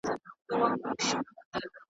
پلار نیکه او ورنیکه مي ټول ښکاریان وه .